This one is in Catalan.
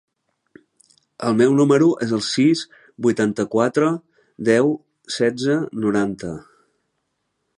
El meu número es el sis, vuitanta-quatre, deu, setze, noranta.